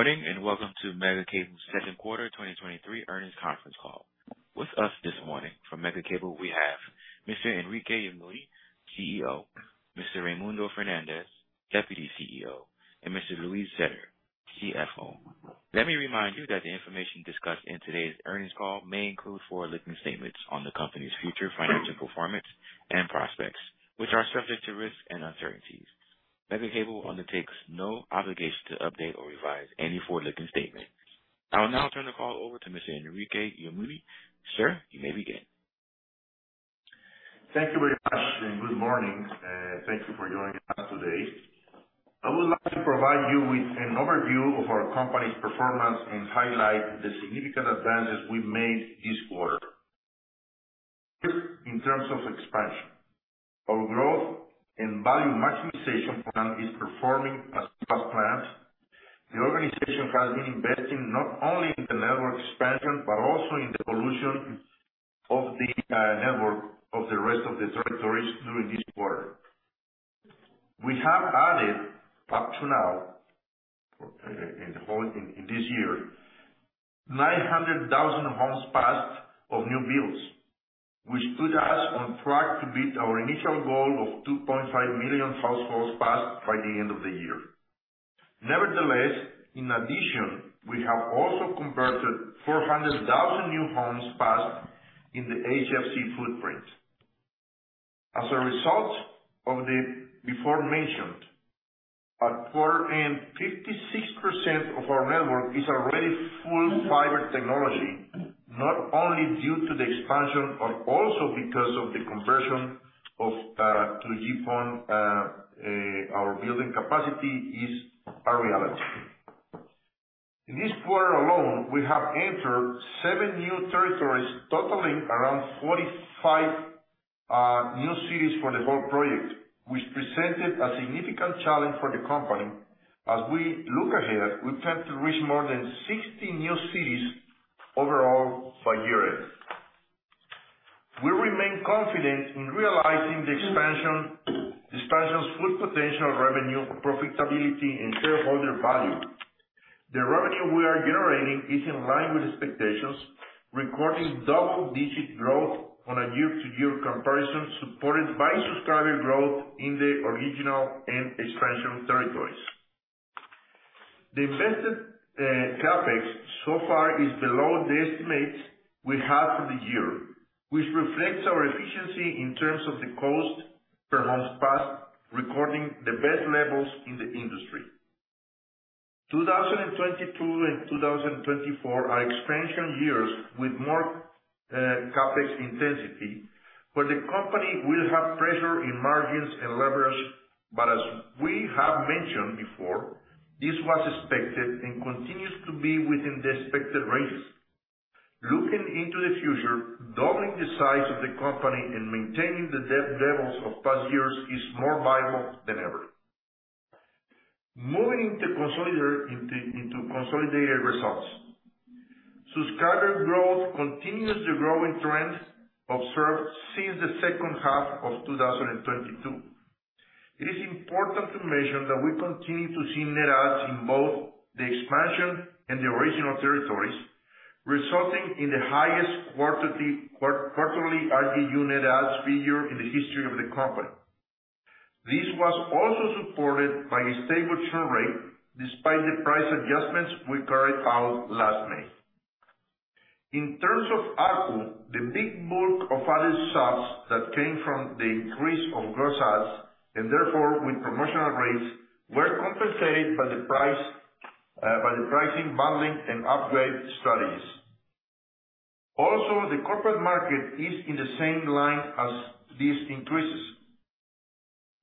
Good evening, welcome to Megacable's second quarter 2023 earnings conference call. With us this morning from Megacable, we have Mr. Enrique Yamuni, CEO, Mr. Raymundo Fernández, Deputy CEO, and Mr. Luis Zetter, CFO. Let me remind you that the information discussed in today's earnings call may include forward-looking statements on the company's future financial performance and prospects, which are subject to risks and uncertainties. Megacable undertakes no obligation to update or revise any forward-looking statement. I will now turn the call over to Mr. Enrique Yamuni. Sir, you may begin. Thank you very much, and good morning, thank you for joining us today. I would like to provide you with an overview of our company's performance and highlight the significant advances we've made this quarter. In terms of expansion, our growth and value maximization plan is performing as, as planned. The organization has been investing not only in the network expansion, but also in the evolution of the network of the rest of the territories during this quarter. We have added, up to now, in the whole, in, in this year, 900,000 homes passed of new builds, which put us on track to beat our initial goal of 2.5 million households passed by the end of the year. Nevertheless, in addition, we have also converted 400,000 new homes passed in the HFC footprint. As a result of the before mentioned, at quarter end, 56% of our network is already full fiber technology, not only due to the expansion, but also because of the conversion to GPON, our building capacity is a reality. In this quarter alone, we have entered seven new territories, totaling around 45 new cities for the whole project, which presented a significant challenge for the company. As we look ahead, we tend to reach more than 60 new cities overall by year-end. We remain confident in realizing the expansion, expansion's full potential revenue, profitability, and shareholder value. The revenue we are generating is in line with expectations, recording double-digit growth on a year-to-year comparison, supported by subscriber growth in the original and expansion territories. The invested CapEx so far is below the estimates we have for the year, which reflects our efficiency in terms of the cost homes passed, recording the best levels in the industry. 2022 and 2024 are expansion years with more CapEx intensity, where the company will have pressure in margins and leverage, but as we have mentioned before, this was expected and continues to be within the expected range. Looking into the future, doubling the size of the company and maintaining the debt levels of past years is more viable than ever. Moving into consolidated results. Subscriber growth continues the growing trend observed since the second half of 2022. It is important to mention that we continue to see net adds in both the expansion and the original territories, resulting in the highest quarterly RGU net adds figure in the history of the company. This was also supported by a stable churn rate despite the price adjustments we carried out last May. In terms of ARPU, the big bulk of added subs that came from the increase of gross adds, and therefore with promotional rates, were compensated by the price, by the pricing, bundling, and upgrade strategies. The corporate market is in the same line as these increases.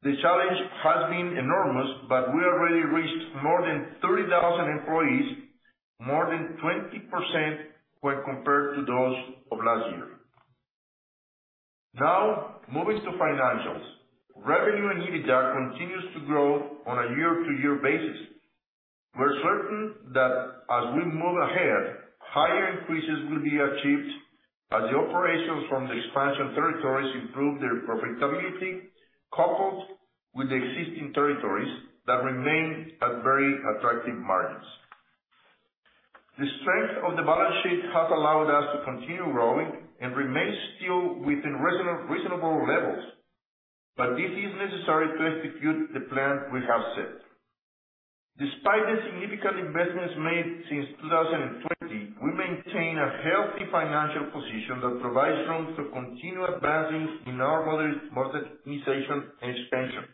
The challenge has been enormous, we already reached more than 30,000 employees, more than 20% when compared to those of last year. Moving to financials. Revenue and EBITDA continues to grow on a year-to-year basis. We're certain that as we move ahead, higher increases will be achieved as the operations from the expansion territories improve their profitability, coupled with the existing territories that remain at very attractive margins. The strength of the balance sheet has allowed us to continue growing and remain still within reasonable levels, but this is necessary to execute the plan we have set. Despite the significant investments made since 2020, we maintain a healthy financial position that provides room for continued advances in our modernization and expansion,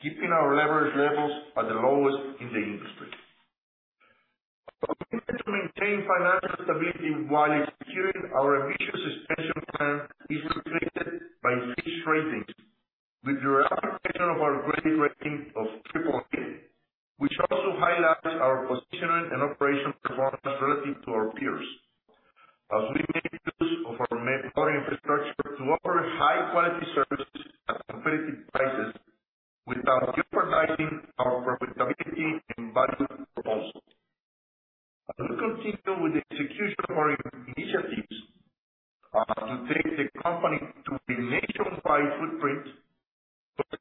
keeping our leverage levels at the lowest in the industry. Our ability to maintain financial stability while executing our ambitious expansion plan is reflected by Fitch Ratings, with the affirmation of our credit rating of AAA, which also highlights our positioning and operational performance relative to our peers. As we make use of our infrastructure to offer high-quality services at competitive prices without jeopardizing our profitability and value proposals. As we continue with the execution of our initiatives to take the company to a nationwide footprint.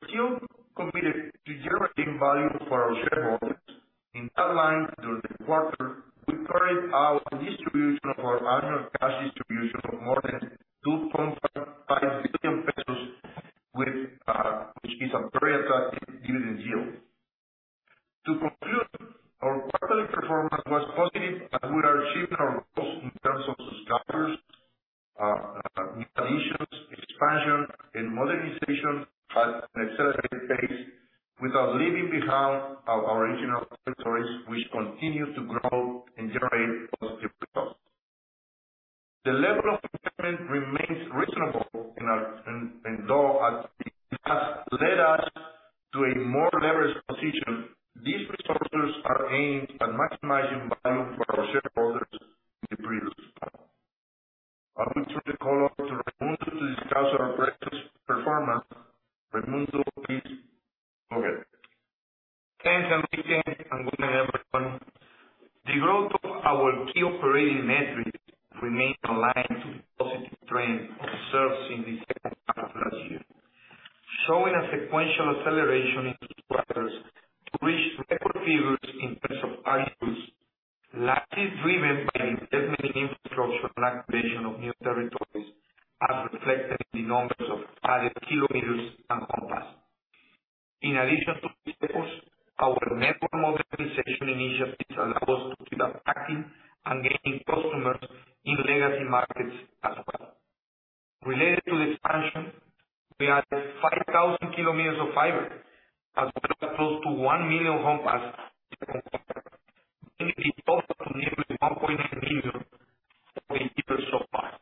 Still committed to generating value for our shareholders, in that line, during the quarter, we carried out the distribution of our annual cash distribution of more than 2.5 billion pesos, with which is a very attractive dividend yield. To conclude, our quarterly performance was positive, and we are achieving our goals in terms of subscribers, new additions, expansion and modernization at an accelerated pace, without leaving behind our original territories, which continue to grow and generate positive results. The level of investment remains reasonable, and our, and though it has led us to a more leveraged position, these resources are aimed at maximizing value for our shareholders in the previous quarter. I will turn the call over to Raymundo to discuss our practice performance. Raymundo, please go ahead. Thanks, Enrique. Good morning, everyone. The growth of our key operating metrics remain aligned to the positive trend observed in the second half of last year, showing a sequential acceleration in subscribers to reach record figures in terms of, largely driven by the investment in infrastructure and acquisition of new territories, as reflected in the numbers of added kilometers homes passed. In addition to these efforts, our network modernization initiative has allowed us to keep attracting and gaining customers in legacy markets as well. Related to the expansion, we added 5,000 km of fiber, as well as close to one homes passed in the quarter, bringing the total to nearly 1.8 million, fiber so far.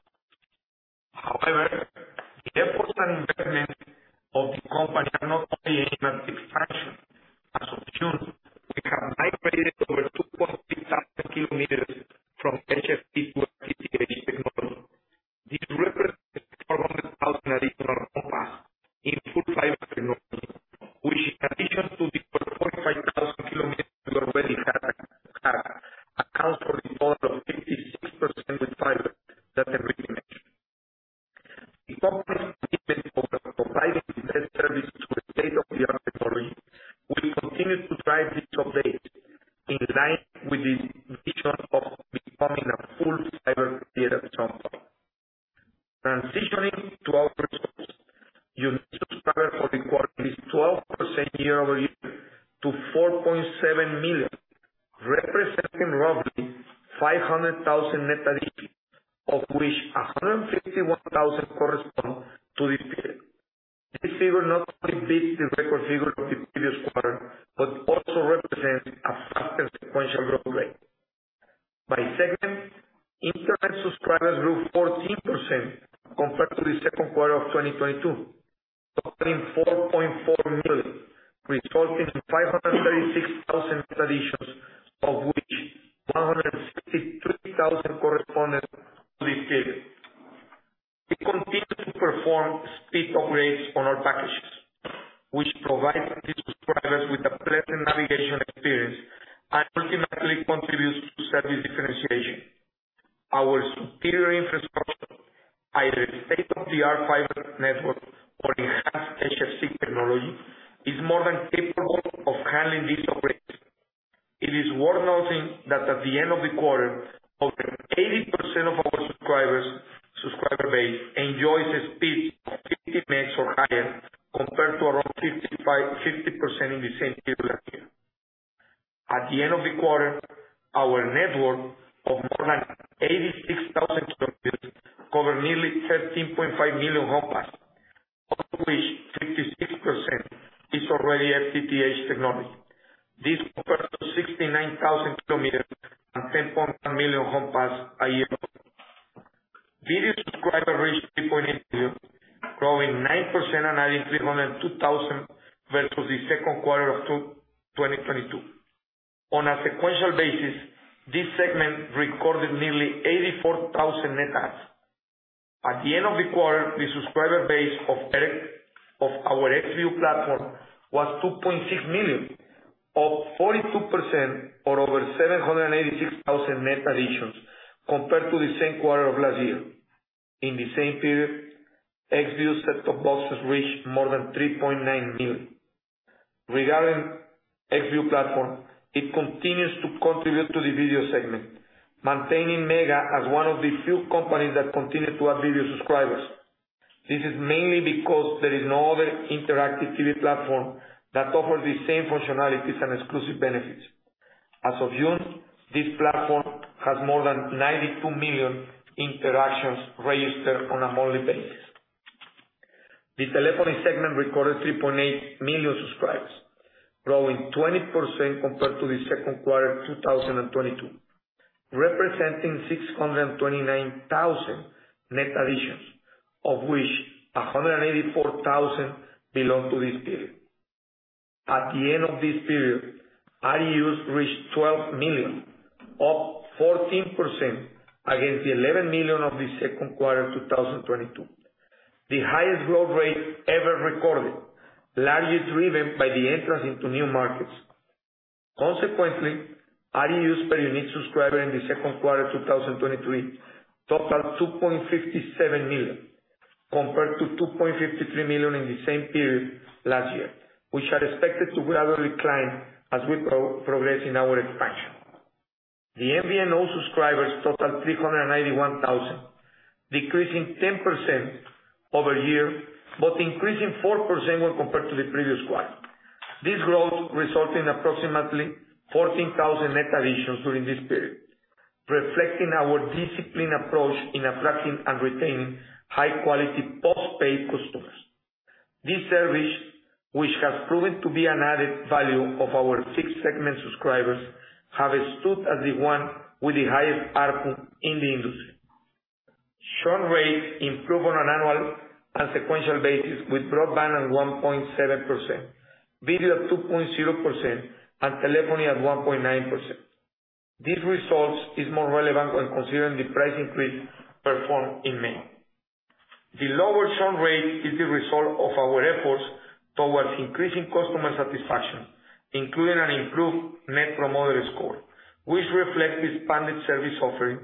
around 50% in the same period last year. At the end of the quarter, our network of more than 86,000 km cover nearly 13.5 homes passed, of which 56% is already FTTH technology. This compares to 69,000 km and 10.1 homes passed a year ago. Video subscribers reached 3.8 million, growing 9% and adding 302,000 versus the second quarter of 2022. On a sequential basis, this segment recorded nearly 84,000 net adds. At the end of the quarter, the subscriber base of our Xview platform was 2.6 million, up 42% or over 786,000 net additions compared to the same quarter of last year. In the same period, Xview set-top boxes reached more than 3.9 million. Regarding Xview platform, it continues to contribute to the video segment, maintaining Mega as one of the few companies that continue to add video subscribers. This is mainly because there is no other interactive TV platform that offers the same functionalities and exclusive benefits. As of June, this platform has more than 92 million interactions registered on a monthly basis. The telephony segment recorded 3.8 million subscribers, growing 20% compared to the second quarter 2022, representing 629,000 net additions, of which 184,000 belong to this period. At the end of this period, RGUs reached 12 million, up 14% against the 11 million of the second quarter 2022, the highest growth rate ever recorded, largely driven by the entrance into new markets. Consequently, RGUs per unique subscriber in the second quarter 2023 totaled 2.57 million, compared to 2.53 million in the same period last year, which are expected to gradually climb as we progress in our expansion. MVNO subscribers totaled 391,000, decreasing 10% over year, but increasing 4% when compared to the previous quarter. This growth resulting approximately 14,000 net additions during this period, reflecting our disciplined approach in attracting and retaining high quality postpaid customers. This service, which has proven to be an added value of our fixed segment subscribers, have stood as the one with the highest ARPU in the industry. Churn rates improved on an annual and sequential basis, with broadband at 1.7%, video at 2.0%, and telephony at 1.9%. These results is more relevant when considering the price increase performed in May. The lower churn rate is the result of our efforts towards increasing customer satisfaction, including an improved Net Promoter Score, which reflects the expanded service offering,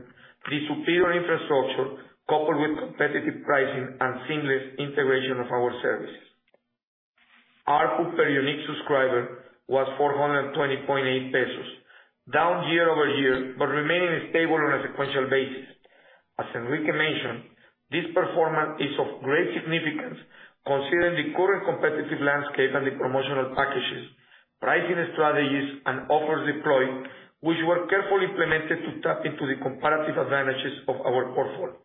the superior infrastructure, coupled with competitive pricing and seamless integration of our services. ARPU per unique subscriber was 420.8 pesos, down year-over-year, but remaining stable on a sequential basis. As Enrique mentioned, this performance is of great significance, considering the current competitive landscape and the promotional packages, pricing strategies, and offers deployed, which were carefully implemented to tap into the comparative advantages of our portfolio.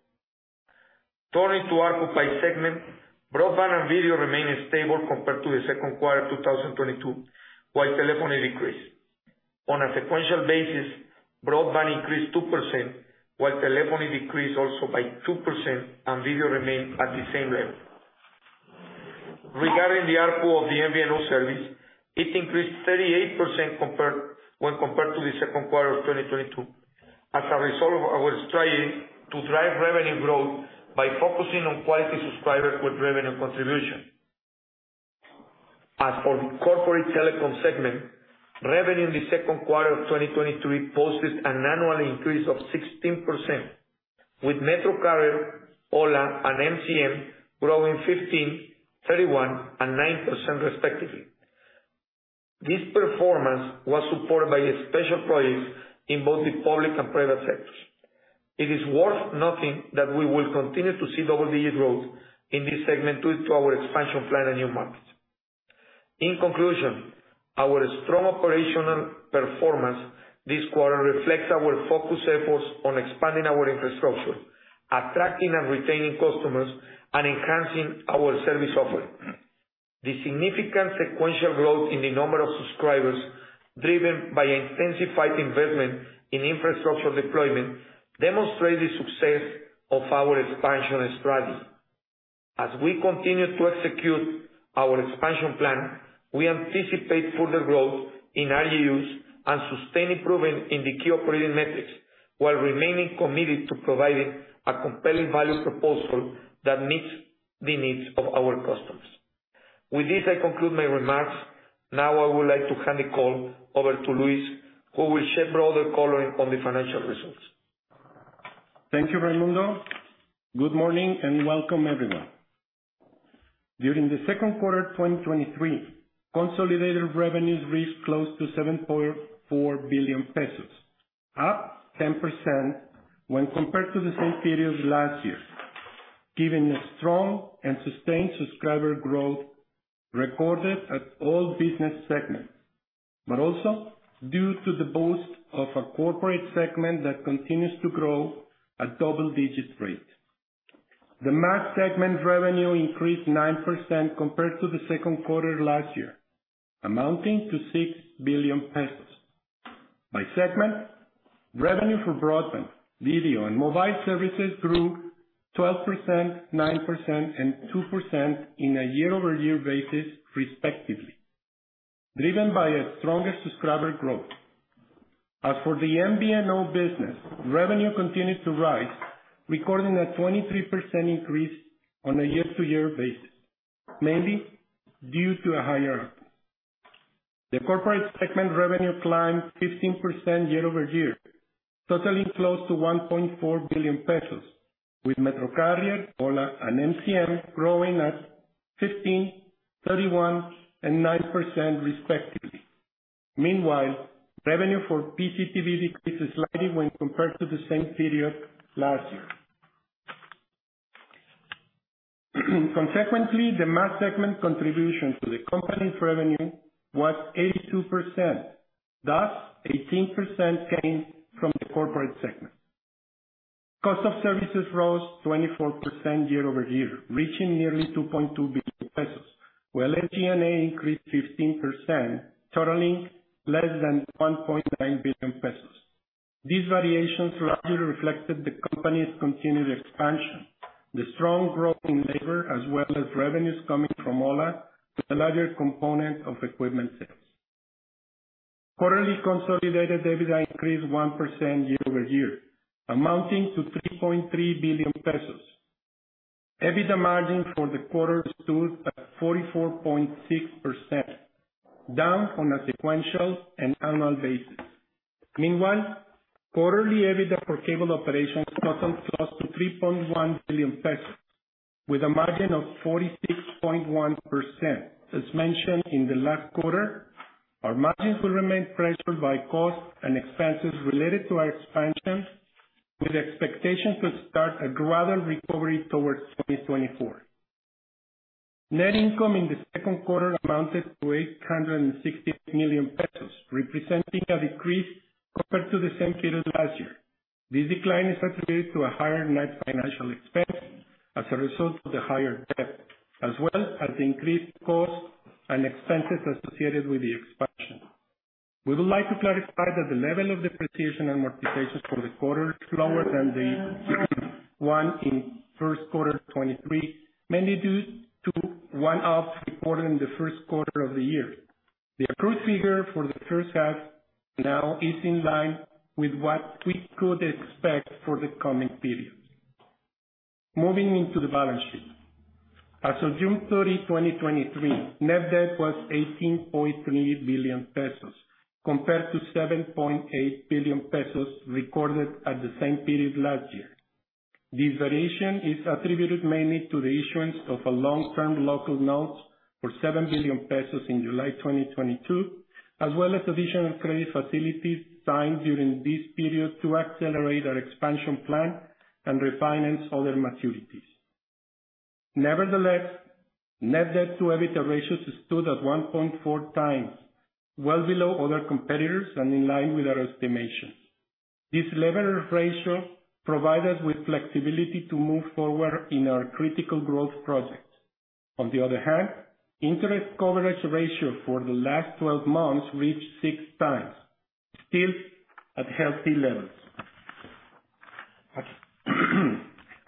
Turning to ARPU by segment, broadband and video remained stable compared to the second quarter of 2022, while telephony decreased. On a sequential basis, broadband increased 2%, while telephony decreased also by 2%, and video remained at the same level. Regarding the ARPU of the MVNO service, it increased 38% when compared to the second quarter of 2022, as a result of our strategy to drive revenue growth by focusing on quality subscribers with revenue contribution. As for the corporate telecom segment, revenue in the second quarter of 2023 posted an annual increase of 16%, with MetroCarrier, ho1a, and MCM growing 15%, 31%, and 9%, respectively. This performance was supported by special projects in both the public and private sectors. It is worth noting that we will continue to see double-digit growth in this segment due to our expansion plan in new markets. In conclusion, our strong operating performance this quarter reflects our focused efforts on expanding our infrastructure, attracting and retaining customers, and enhancing our service offering. The significant sequential growth in the number of subscribers, driven by intensified investment in infrastructure deployment, demonstrate the success of our expansion strategy. As we continue to execute our expansion plan, we anticipate further growth in ARUs and sustained improvement in the key operating metrics, while remaining committed to providing a compelling value proposal that meets the needs of our customers. With this, I conclude my remarks. Now, I would like to hand the call over to Luis, who will share further coloring on the financial results. Thank you, Raymundo. Good morning, welcome, everyone. During the second quarter of 2023, consolidated revenues reached close to 7.4 billion pesos, up 10% when compared to the same period last year, giving a strong and sustained subscriber growth recorded at all business segments, but also due to the boost of a corporate segment that continues to grow at double-digit rate. The mass segment revenue increased 9% compared to the second quarter last year, amounting to 6 billion pesos. By segment, revenue for broadband, video, and mobile services grew 12%, 9%, and 2% in a year-over-year basis, respectively, driven by a stronger subscriber growth. As for the MVNO business, revenue continued to rise, recording a 23% increase on a year-to-year basis, mainly due to a higher ARPU. The corporate segment revenue climbed 15% year-over-year, totaling close to 1.4 billion pesos, with MetroCarrier, ho1a, and MCM growing at 15%, 31%, and 9%, respectively. Meanwhile, revenue for PCTV decreased slightly when compared to the same period last year. Consequently, the mass segment contribution to the company's revenue was 82%, thus 18% came from the corporate segment. Cost of services rose 24% year-over-year, reaching nearly 2.2 billion pesos, while SG&A increased 15%, totaling less than 1.9 billion pesos. These variations largely reflected the company's continued expansion, the strong growth in labor, as well as revenues coming from ho1a, the larger component of equipment sales. Quarterly consolidated EBITDA increased 1% year-over-year, amounting to 3.3 billion pesos. EBITDA margin for the quarter stood at 44.6%, down on a sequential and annual basis. Meanwhile, quarterly EBITDA for cable operations total close to 3.1 billion pesos, with a margin of 46.1%. As mentioned in the last quarter, our margins will remain pressured by costs and expenses related to our expansion, with expectations to start a gradual recovery towards 2024. Net income in the second quarter amounted to 860 million pesos, representing a decrease compared to the same period last year. This decline is attributed to a higher net financial expense as a result of the higher debt, as well as the increased costs and expenses associated with the expansion. We would like to clarify that the level of depreciation and amortization for the quarter is lower than the one in first quarter 2023, mainly due to one-off reported in the first quarter of the year. The accrued figure for the first half now is in line with what we could expect for the coming periods. Moving into the balance sheet. As of June 30, 2023, net debt was 18.3 billion pesos, compared to 7.8 billion pesos recorded at the same period last year. This variation is attributed mainly to the issuance of a long-term local note for 7 billion pesos in July 2022, as well as additional credit facilities signed during this period to accelerate our expansion plan and refinance other maturities. Nevertheless, net debt to EBITDA ratio stood at 1.4x, well below other competitors and in line with our estimations. This levered ratio provide us with flexibility to move forward in our critical growth projects. On the other hand, interest coverage ratio for the last 12 months reached 6.0x, still at healthy levels.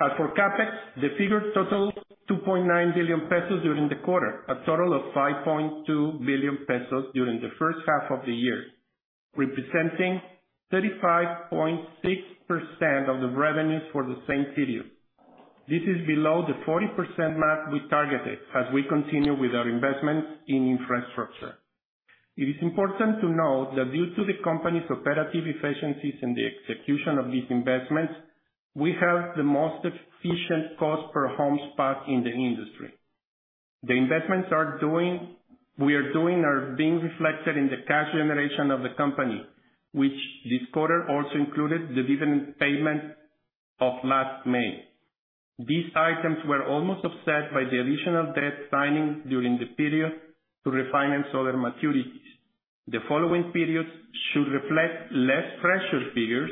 As for CapEx, the figure totals 2.9 billion pesos during the quarter, a total of 5.2 billion pesos during the first half of the year, representing 35.6% of the revenues for the same period. This is below the 40% mark we targeted as we continue with our investments in infrastructure. It is important to note that due to the company's operative efficiencies and the execution of these investments, we have the most efficient cost homes passed in the industry. The investments we are doing are being reflected in the cash generation of the company, which this quarter also included the dividend payment of last May. These items were almost offset by the additional debt signing during the period to refinance other maturities. The following periods should reflect less pressure figures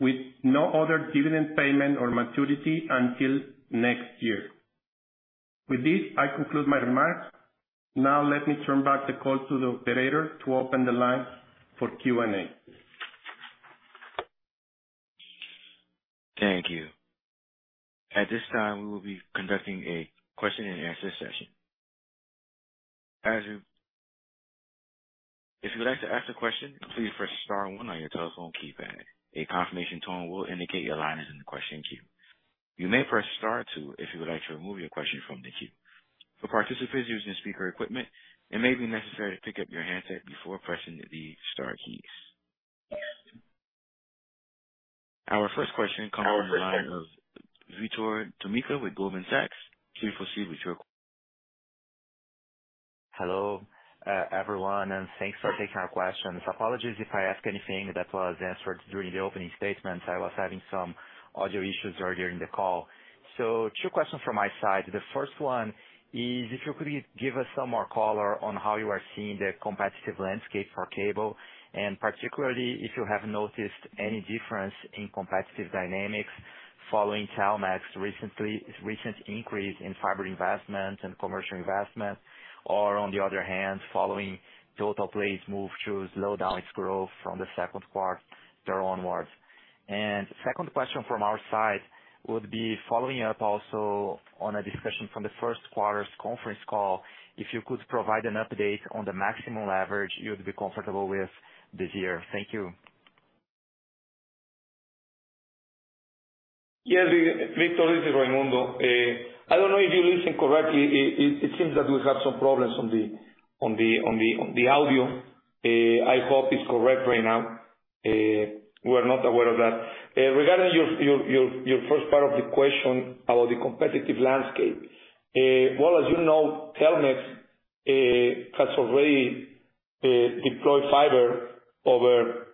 with no other dividend payment or maturity until next year. With this, I conclude my remarks. Now let me turn back the call to the operator to open the line for Q&A. Thank you. At this time, we will be conducting a question-and-answer session. If you'd like to ask a question, please press star one on your telephone keypad. A confirmation tone will indicate your line is in the question queue. You may press star two if you would like to remove your question from the queue. For participants using speaker equipment, it may be necessary to pick up your handset before pressing the star keys. Our first question comes on the line of Vitor Tomita with Goldman Sachs. Please proceed with your question. Hello, everyone, thanks for taking our questions. Apologies if I ask anything that was answered during the opening statements. I was having some audio issues earlier in the call. Two questions from my side. The first one is if you could give us some more color on how you are seeing the competitive landscape for cable, and particularly if you have noticed any difference in competitive dynamics following Telmex recently, recent increase in fiber investment and commercial investment, or on the other hand, following Totalplay's move to slow down its growth from the second quarter onwards. Second question from our side would be following up also on a discussion from the first quarter's conference call. If you could provide an update on the maximum leverage you'd be comfortable with this year. Thank you. Yes, Vitor, this is Raymundo. I don't know if you're listening correctly. It seems that we have some problems on the audio. I hope it's correct right now, we're not aware of that. Regarding your first part of the question about the competitive landscape. Well, as you know, Telmex has already deployed fiber over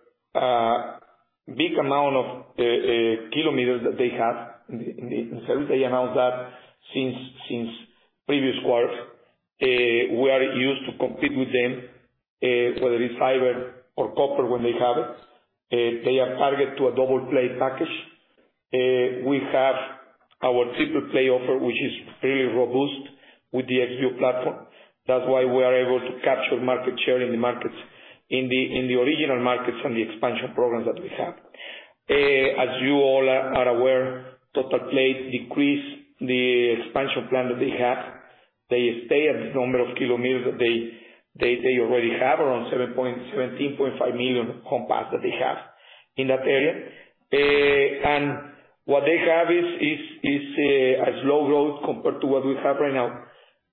big amount of kilometers that they have in the service. They announced that since previous quarters. We are used to compete with them, whether it's fiber or copper when they have it. They are target to a double play package. We have our triple play offer, which is very robust with the Xview platform. That's why we are able to capture market share in the markets, in the, in the original markets and the expansion programs that we have. As you all are, are aware, Totalplay decreased the expansion plan that they have. They stay at the number of kilometers that they already have around 17.5 homes passed that they have in that area. What they have is a slow growth compared to what we have right now.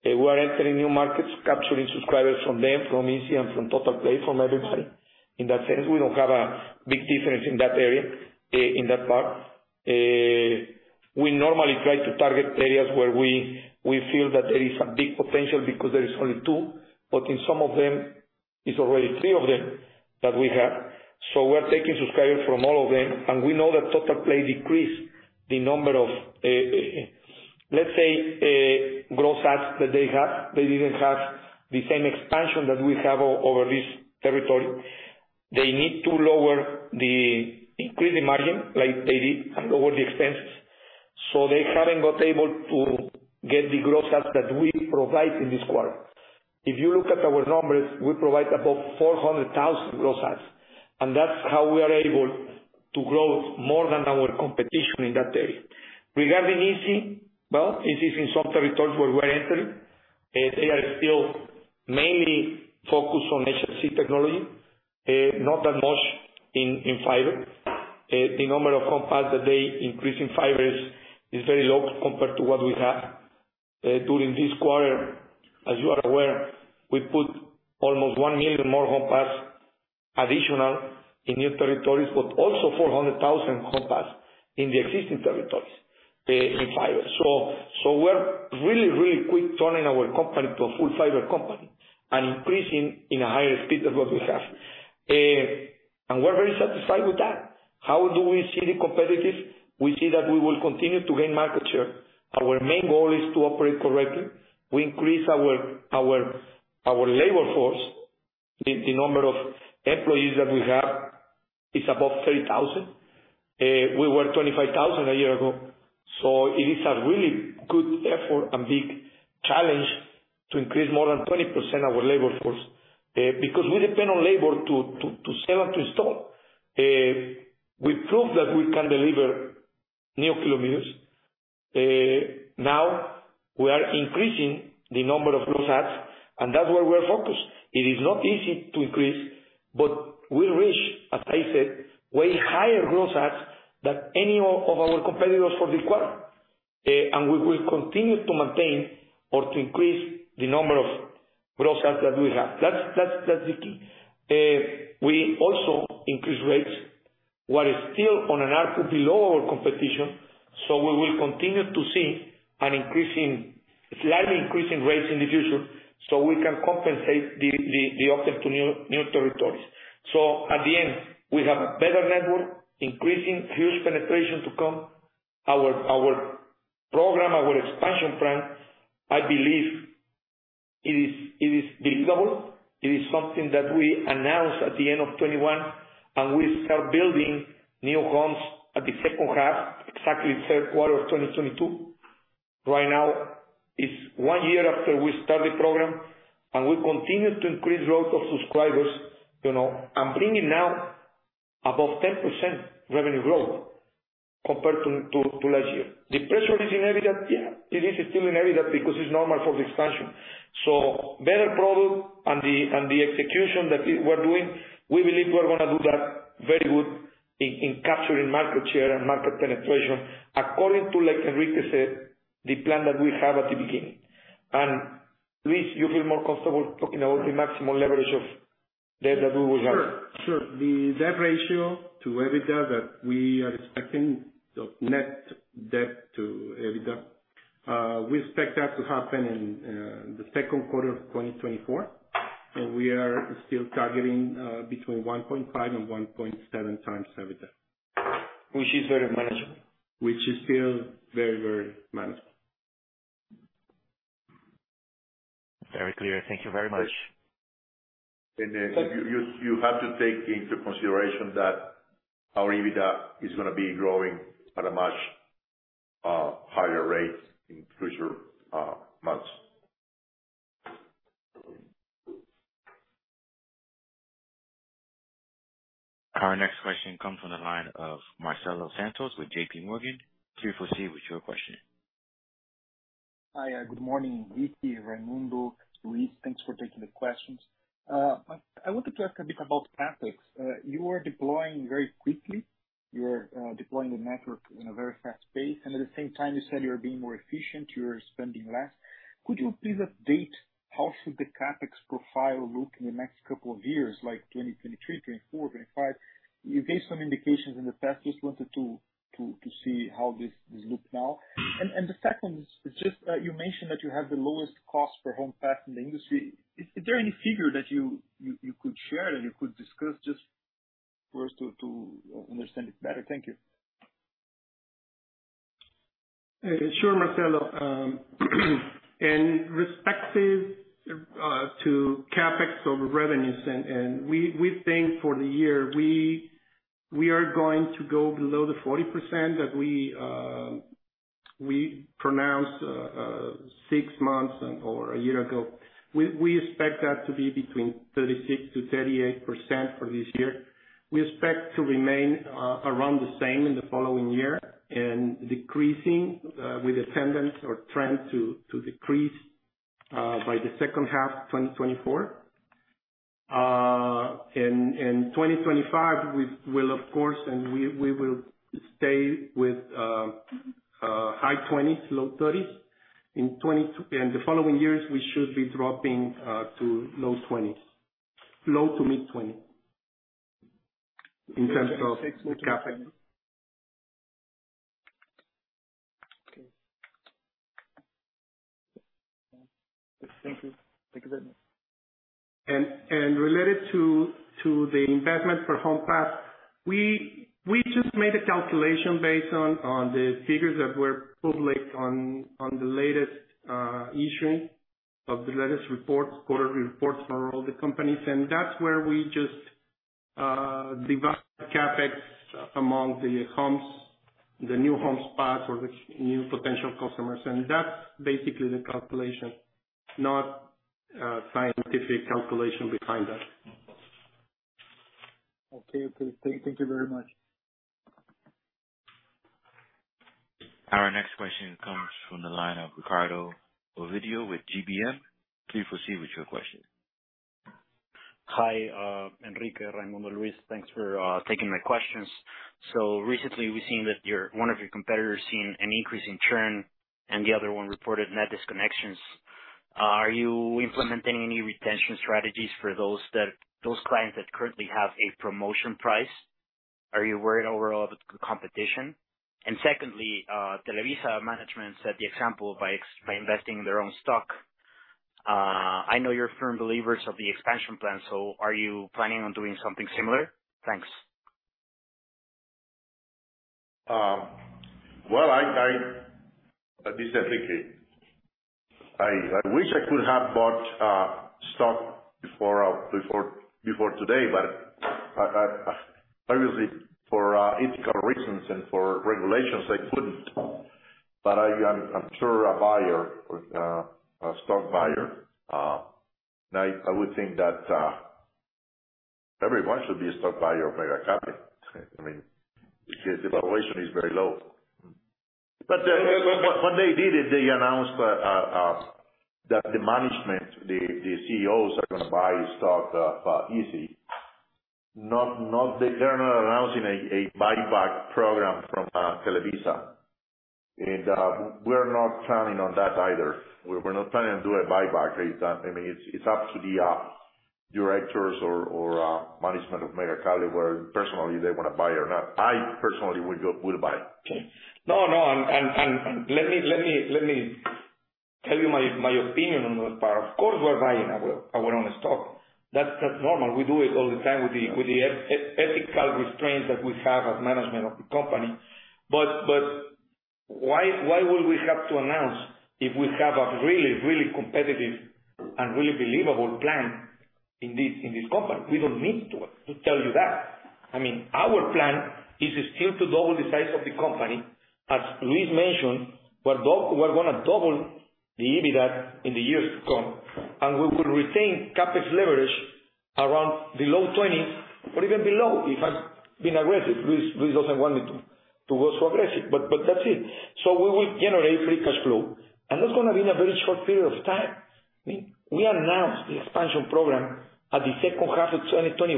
They were entering new markets, capturing subscribers from them, from Izzi and from Totalplay, from everybody. In that sense, we don't have a big difference in that area, in that part. We normally try to target areas where we feel that there is a big potential because there is only two, but in some of them, it's already three of them that we have. We're taking subscribers from all of them, and we know that Totalplay decreased the number of, let's say, growth adds that they have. They didn't have the same expansion that we have over this territory. They need to lower the increase in margin like they did and lower the expenses, they haven't got able to get the growth adds that we provide in this quarter. If you look at our numbers, we provide above 400,000 growth adds, that's how we are able to grow more than our competition in that area. Regarding Izzi, well, Izzi is in some territories where we're entering. They are still mainly focused on HFC technology, not that much in, in fiber. The number homes passed that they increase in fiber is very low compared to what we have. During this quarter, as you are aware, we put almost one million homes passed additional in new territories, but also homes passed in the existing territories in fiber. We're really, really quick turning our company to a full fiber company and increasing in a higher speed than what we have. We're very satisfied with that. How do we see the competitive? We see that we will continue to gain market share. Our main goal is to operate correctly. We increase our labor force. The number of employees that we have is above 30,000. We were 25,000 a year ago, so it is a really good effort and big challenge to increase more than 20% our labor force because we depend on labor to sell and to install. We proved that we can deliver new kilometers. Now we are increasing the number of growth adds. That's where we're focused. It is not easy to increase, but we reach, as I said, way higher growth adds than any of, of our competitors for the quarter. We will continue to maintain or to increase the number of growth adds that we have. That's, that's, that's the key. We also increase rates. We are still on an ARPU below our competition. We will continue to see an increasing, slightly increase in rates in the future, so we can compensate the, the, the offer to new, new territories. At the end, we have better network, increasing huge penetration to come. Our, our program, our expansion plan, I believe it is, it is deliverable. It is something that we announced at the end of 2021. We start building new homes at the second half, exactly third quarter of 2022. Right now, it's one year after we start the program. We continue to increase growth of subscribers, you know, bringing now above 10% revenue growth compared to last year. The pressure is inevitable. Yeah, it is still inevitable because it's normal for the expansion. Better product and the execution that we're doing, we believe we're gonna do that very good in capturing market share and market penetration, according to, like Enrique said, the plan that we have at the beginning. Luis, you feel more comfortable talking about the maximum leverage of debt that we will have? Sure, sure. The debt ratio to EBITDA that we are expecting, the net debt to EBITDA, we expect that to happen in the second quarter of 2024. We are still targeting between 1.5x and 1.7x EBITDA. Which is very manageable. Which is still very, very manageable. Very clear. Thank you very much. You, you, you have to take into consideration that our EBITDA is gonna be growing at a much higher rate in future months. Our next question comes from the line of Marcelo Santos with JPMorgan. Please proceed with your question. Hi, good morning, Enrique, Raymundo, Luis. Thanks for taking the questions. I, I wanted to ask a bit about CapEx. You are deploying very quickly. You're deploying the network in a very fast pace, and at the same time, you said you're being more efficient, you're spending less. Could you please update how should the CapEx profile look in the next couple of years, like 2023, 2024, 2025? You gave some indications in the past. Just wanted to see how this, this look now. The second is just, you mentioned that you have the lowest cost homes passed in the industry. Is there any figure that you could share, that you could discuss just for us to understand it better? Thank you. Sure, Marcelo. In respective to CapEx over revenues, and we think for the year, we are going to go below the 40% that we pronounced six months and over a year ago. We expect that to be between 36%-38% for this year. We expect to remain around the same in the following year and decreasing with a tendency or trend to decrease by the second half of 2024. In 2025, we will of course, and we, we will stay with high 20s-low 30s. In the following years, we should be dropping to low 20s, low to mid-20s, in terms of CapEx. Okay. Thank you. Thank you very much. Our next question comes from the line of Ricardo Oviedo with GBM. Please proceed with your question. Hi, Enrique, Raymundo, Luis. Thanks for taking my questions. Recently we've seen that one of your competitors seen an increase in churn, and the other one reported net disconnections. Are you implementing any retention strategies for those that, those clients that currently have a promotion price? Are you worried overall about the competition? Secondly, Televisa management set the example by investing in their own stock. I know you're firm believers of the expansion plan, so are you planning on doing something similar? Thanks. Well, this is Enrique. I, I wish I could have bought stock before, before, before today, but I, I'm, I'm sure a buyer, a stock buyer, and I, I would think that everyone should be a stock buyer of Megacable. I mean, because the valuation is very low. When, when they did it, they announced that the management, the, the CEOs are gonna buy stock, Izzi. They're not announcing a buyback program from Televisa. We're not planning on that either. We're not planning on do a buyback. It, I mean, it's, it's up to the directors or, or, management of Megacable, whether personally they wanna buy or not. I personally would buy. Okay. No, no. Let me, let me, let me tell you my, my opinion on that part. Of course, we're buying our, our own stock. That's, that's normal. We do it all the time with the, with the ethical restraints that we have as management of the company. Why, why would we have to announce if we have a really, really competitive and really believable plan in this company? We don't need to tell you that. I mean, our plan is still to double the size of the company. As Luis mentioned, we're gonna double the EBITDA in the years to come, and we will retain CapEx leverage around below 20, or even below, if I'm being aggressive. Luis doesn't want me to go so aggressive, but that's it. We will generate free cash flow, and that's gonna be in a very short period of time. I mean, we announced the expansion program at the second half of 2021.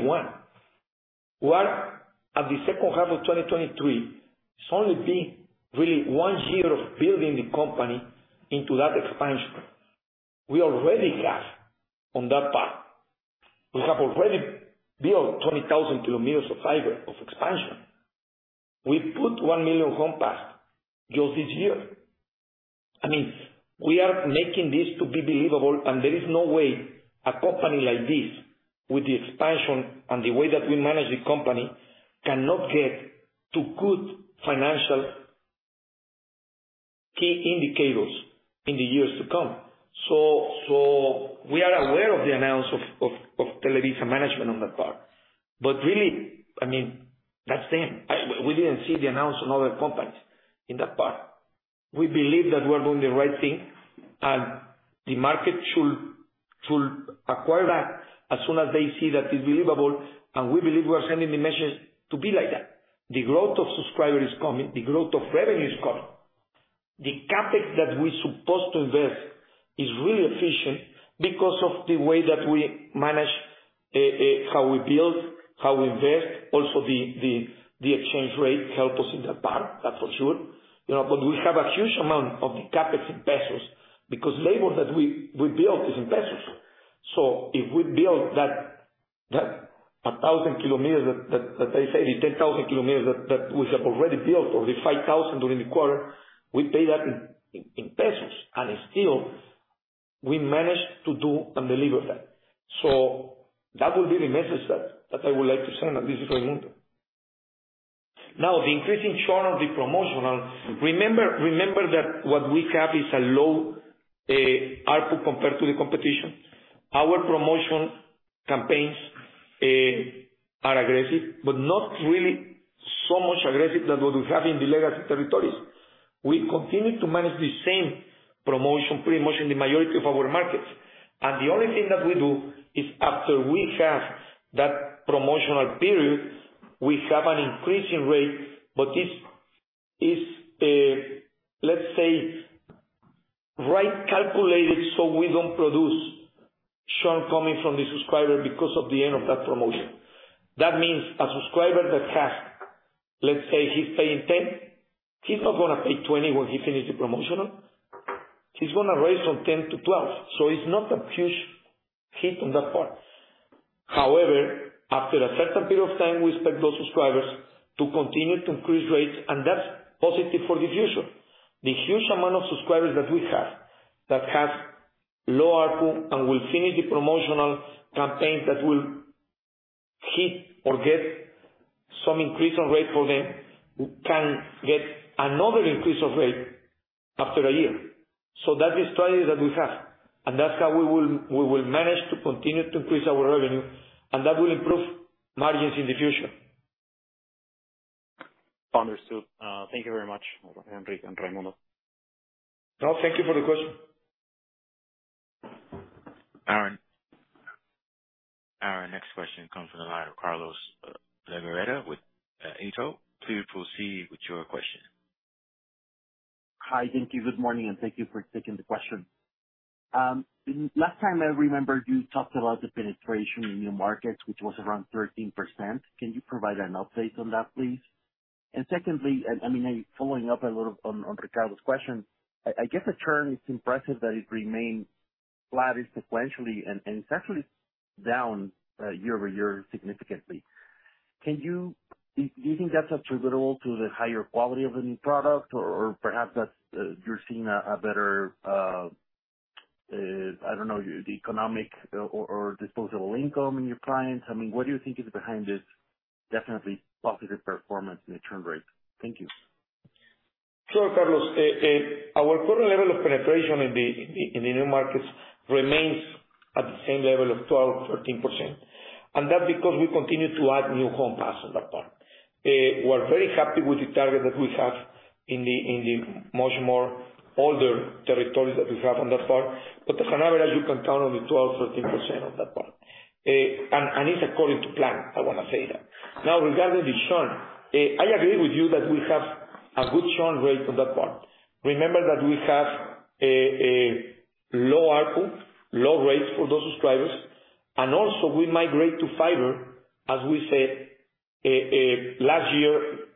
We are at the second half of 2023. It's only been really one year of building the company into that expansion. We already have on that part. We have already built 20,000 km of fiber, of expansion. We put one homes passed just this year. I mean, we are making this to be believable, and there is no way a company like this, with the expansion and the way that we manage the company, cannot get to good financial key indicators in the years to come. So we are aware of the announce of, of, of Televisa management on that part. Really, I mean, that's them. We didn't see the announce on other companies in that part. We believe that we're doing the right thing, and the market should, should acquire that as soon as they see that it's believable, and we believe we're sending the message to be like that. The growth of subscriber is coming. The growth of revenue is coming. The CapEx that we're supposed to invest is really efficient because of the way that we manage how we build, how we invest. Also, the, the, the exchange rate help us in that part. That's for sure. You know, but we have a huge amount of the CapEx in pesos, because labor that we, we built is in pesos. If we build that 1,000 km that I said, the 10,000 km that we have already built, or the 5,000 km during the quarter, we pay that in pesos, still we managed to do and deliver that. That would be the message that I would like to send, and this is Raymundo. Now, the increasing churn of the promotional: remember that what we have is a low ARPU compared to the competition. Our promotion campaigns are aggressive, but not really so much aggressive than what we have in the legacy territories. We continue to manage the same promotion, pretty much in the majority of our markets. The only thing that we do, is after we have that promotional period, we have an increasing rate, but let's say, right calculated so we don't produce churn coming from the subscriber because of the end of that promotion. That means a subscriber that has, let's say, he's paying 10, he's not gonna pay 20 when he finishes the promotional. He's gonna raise from 10 to 12, so it's not a huge hit on that part. However, after a certain period of time, we expect those subscribers to continue to increase rates, and that's positive for the future. The huge amount of subscribers that we have, that has low ARPU and will finish the promotional campaign that will hit or get some increase on rate for them, can get another increase of rate after a year. That is strategy that we have, and that's how we will, we will manage to continue to increase our revenue, and that will improve margins in the future. Understood. Thank you very much, Enrique and Raymundo. No, thank you for the question. Our next question comes from the line of Carlos Sequeira with BTG. Please proceed with your question. Hi. Thank you. Good morning, and thank you for taking the question. Last time I remember, you talked about the penetration in your markets, which was around 13%. Can you provide an update on that, please? Secondly, I mean, following up a little on, on Ricardo's question, I, I guess the churn is impressive that it remains flat sequentially and it's actually down year-over-year significantly. Can you do you think that's attributable to the higher quality of the new product or perhaps that's you're seeing a better I don't know, the economic or disposable income in your clients? I mean, what do you think is behind this definitely positive performance in the churn rate? Thank you. Sure, Carlos. Our current level of penetration in the new markets remains at the same level of 12%, 13%. That's because we continue to add new homes passedes on that part. We're very happy with the target that we have in the much more older territories that we have on that part. As an average, you can count on the 12%, 13% on that part. And it's according to plan, I wanna say that. Now, regarding the churn, I agree with you that we have a good churn rate on that part. Remember that we have a low ARPU, low rates for those subscribers, and also we migrate to fiber. As we said, last year,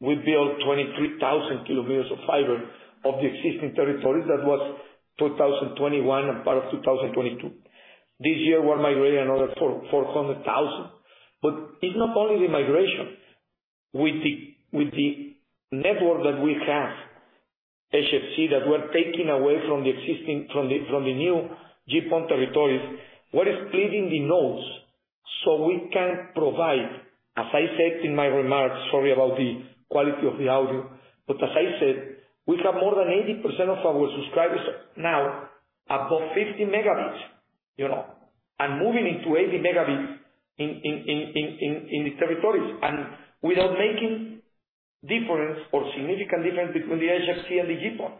we built 23,000 km of fiber of the existing territories. That was 2021 and part of 2022. This year, we're migrating another 400,000. It's not only the migration. With the network that we have, HFC, that we're taking away from the existing, from the new GPON territories, we're splitting the nodes so we can provide, as I said in my remarks. Sorry about the quality of the audio. As I said, we have more than 80% of our subscribers now above 50 Mbps, you know, and moving into 80 Mbps in the territories, and without making difference or significant difference between the HFC and the GPON.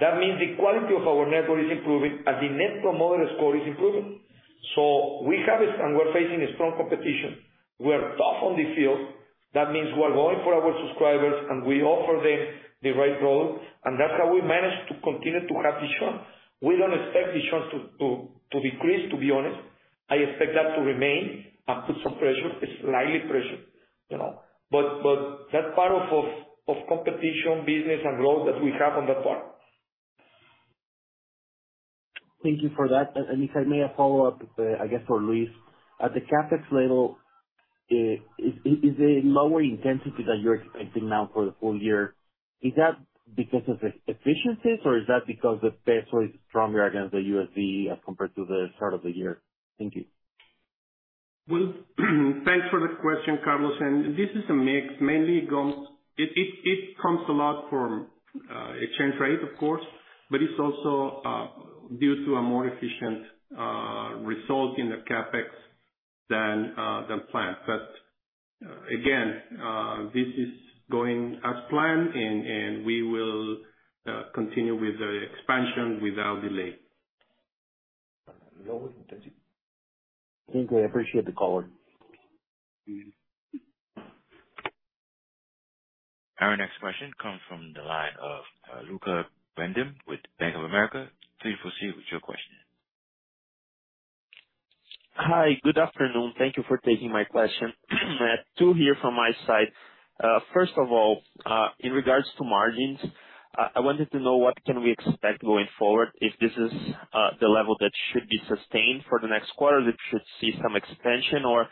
That means the quality of our network is improving and the Net Promoter Score is improving. We're facing a strong competition. We're tough on the field. That means we're going for our subscribers, and we offer them the right role, and that's how we manage to continue to have the churn. We don't expect the churn to decrease, to be honest. I expect that to remain and put some pressure, a slight pressure, you know, but that's part of competition, business, and growth that we have on that part. Thank you for that. If I may follow up, I guess, for Luis. At the CapEx level, is, is, is a lower intensity that you're expecting now for the full year, is that because of the efficiencies, or is that because the peso is stronger against the USD as compared to the start of the year? Thank you. Well, thanks for the question, Carlos, and this is a mix. Mainly it comes a lot from exchange rate, of course, but it's also due to a more efficient result in the CapEx than planned. Again, this is going as planned, and we will continue with the expansion without delay. No, that's it. Okay, I appreciate the color. Mm-hmm. Our next question comes from the line of Lucca Brendim with Bank of America. Please proceed with your question. Hi, good afternoon. Thank you for taking my question. Two here from my side. First of all, in regards to margins, I wanted to know what can we expect going forward, if this is the level that should be sustained for the next quarter, if we should see some expansion, or,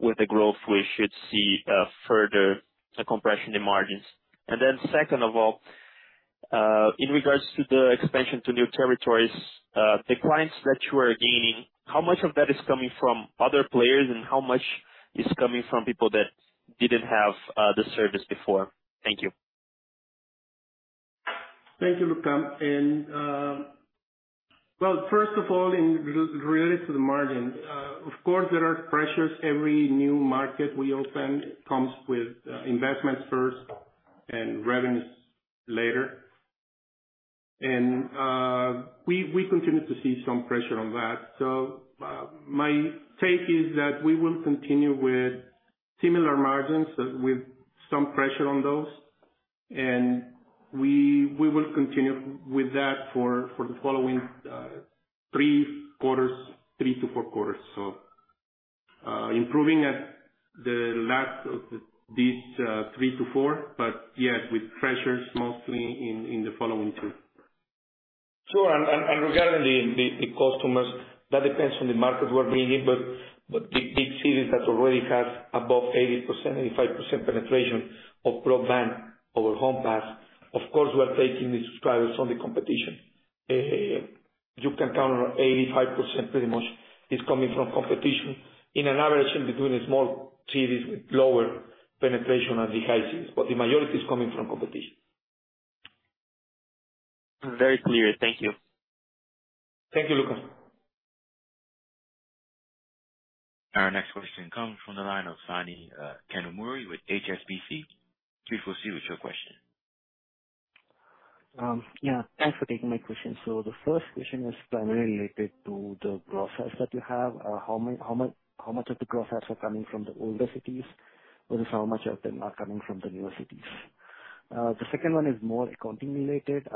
with the growth, we should see further compression in margins? Second of all, in regards to the expansion to new territories, the clients that you are gaining, how much of that is coming from other players, and how much is coming from people that didn't have the service before? Thank you. Thank you, Lucca. Well, first of all, related to the margin, of course, there are pressures. Every new market we open comes with investments first and revenues later. We continue to see some pressure on that. My take is that we will continue with similar margins, with some pressure on those, and we will continue with that for the following three quarters, three to four quarters. Improving at the last of these three to four, but yes, with pressures mostly in the following two. Sure. Regarding the customers, that depends on the market we're being in. The big cities that already have above 80%, 85% penetration of broadband or homes passed, of course, we're taking the subscribers from the competition. You can count on 85% pretty much is coming from competition in an average in between the small cities with lower penetration and the high cities, the majority is coming from competition. Very clear. Thank you. Thank you, Lucca. Our next question comes from the line of Phani Kanumuri with HSBC. Please proceed with your question. Yeah, thanks for taking my question. The first question is primarily related to the process that you have. How much of the process are coming from the older cities, and just how much of them are coming from the newer cities? The second one is more accounting related.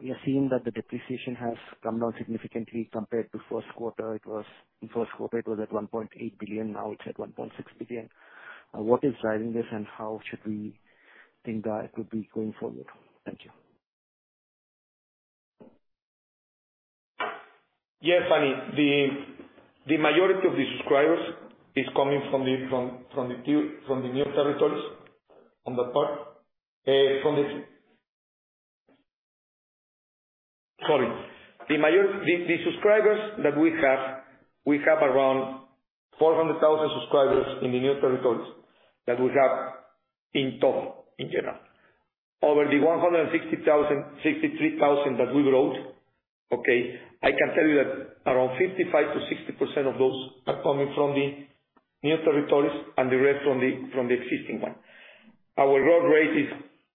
We are seeing that the depreciation has come down significantly compared to first quarter. It was, in first quarter it was at 1.8 billion, now it's at 1.6 billion. What is driving this? How should we think that it could be going forward? Thank you. Yeah, Phani, the majority of the subscribers is coming from the new territories on that part. Sorry. The subscribers that we have, we have around 400,000 subscribers in the new territories that we have in total, in general. Over the 163,000 that we wrote, okay? I can tell you that around 55%-60% of those are coming from the new territories, and the rest from the existing one. Our growth rate is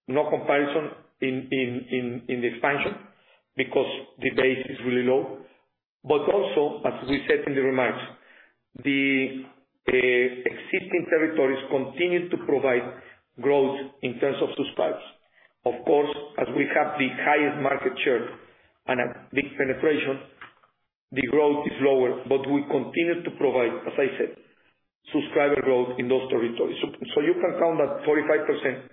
no comparison in the expansion because the base is really low. Also, as we said in the remarks, the existing territories continue to provide growth in terms of subscribers. Of course, as we have the highest market share and a big penetration, the growth is lower, but we continue to provide, as I said, subscriber growth in those territories. You can count that 45%,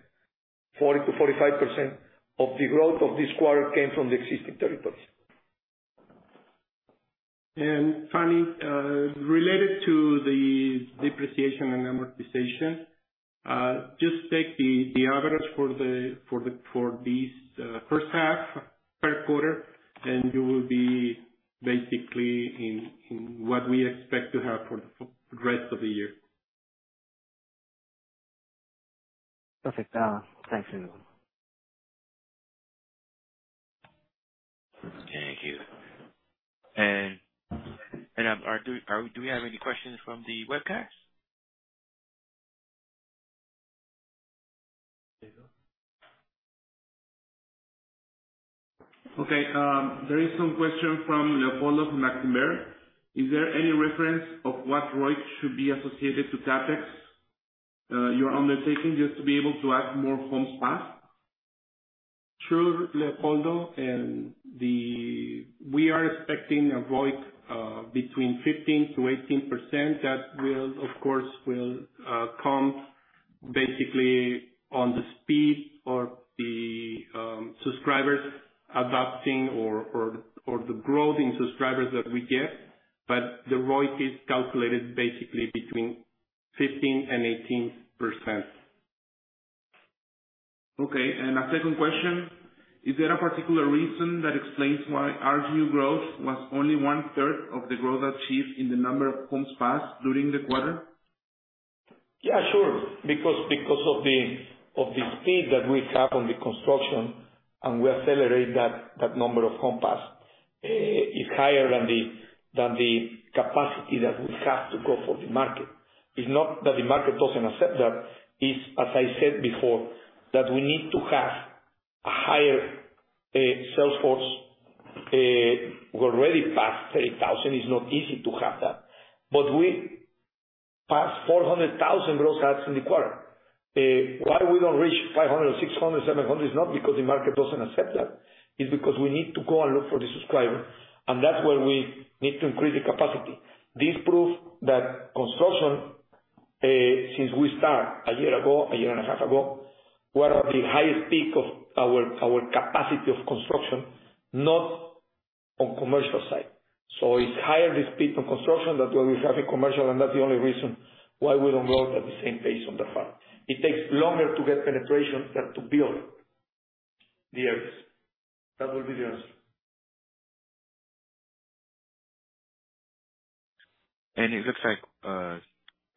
40%-45% of the growth of this quarter came from the existing territories. Phani, related to the depreciation and amortization, just take the, the average for the, for the, for this, first half per quarter, and you will be basically in, in what we expect to have for the rest of the year. Perfect. Thanks again. Thank you. Do we have any questions from the webcast? Okay, there is some question from [Leopoldo Maximberg]: Is there any reference of what ROIC should be associated to CapEx you're undertaking just to be able to add more homes passed? Sure, Leopoldo, we are expecting a ROIC between 15%-18%. That will, of course, will come basically on the speed or the subscribers adopting or the growth in subscribers that we get. The ROIC is calculated basically between 15% and 18%. Okay, a second question: Is there a particular reason that explains why RGU growth was only one third of the growth achieved in the number of homes passed during the quarter? Yeah, sure. Because of the speed that we have on the construction, and we accelerate that, that number of homes passed is higher than the capacity that we have to go for the market. It's not that the market doesn't accept that. It's, as I said before, that we need to have a higher sales force. We're already past 30,000, it's not easy to have that. We passed 400,000 growth rates in the quarter. Why we don't reach 500,000, 600,000, 700,000 is not because the market doesn't accept that. It's because we need to go and look for the subscriber, and that's where we need to increase the capacity. This proves that construction, since we start a year ago, a year and a half ago, we're at the highest peak of our, our capacity of construction, not on commercial side. It's higher, this peak on construction, that we have a commercial, and that's the only reason why we don't grow at the same pace on that part. It takes longer to get penetration than to build the areas. That will be the answer. It looks like,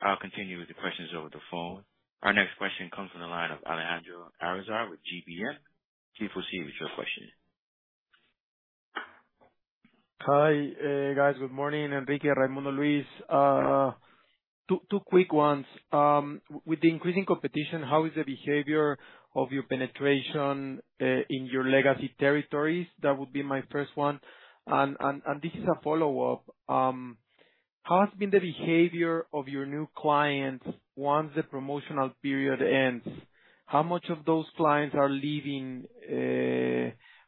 I'll continue with the questions over the phone. Our next question comes from the line of Alejandro Azar with GBM. Please proceed with your question. Hi, guys. Good morning, Enrique, Raymundo, Luis. Two, two quick ones. With the increasing competition, how is the behavior of your penetration in your legacy territories? That would be my first one. This is a follow-up. How has been the behavior of your new clients once the promotional period ends? How much of those clients are leaving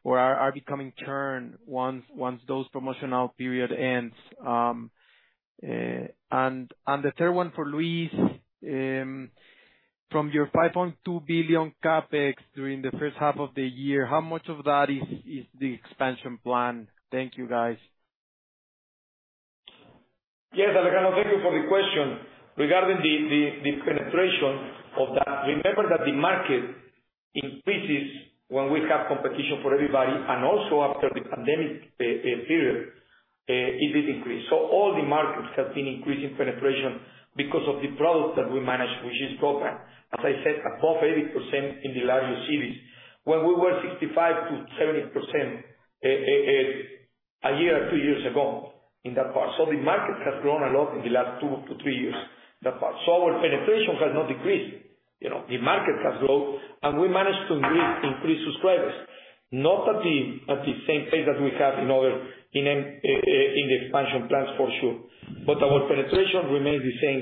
or are becoming churned once those promotional period ends? The third one for Luis, from your 5.2 billion CapEx during the first half of the year, how much of that is the expansion plan? Thank you, guys. Yes, Alejandro, thank you for the question. Regarding the penetration of that, remember that the market increases when we have competition for everybody, and also after the pandemic period, it did increase. All the markets have been increasing penetration because of the products that we manage, which is program. As I said, above 80% in the larger cities, when we were 65% to 70% a year or two years ago in that part. The market has grown a lot in the last two to three years, that part. Our penetration has not decreased, you know, the market has grown, and we managed to increase, increase subscribers. Not at the same pace that we have in other, in the expansion plans for sure. Our penetration remains the same